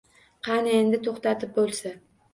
Qani endi toʼxtatib boʼlsa…